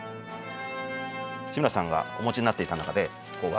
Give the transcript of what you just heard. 志村さんがお持ちになっていた中で和傘があります。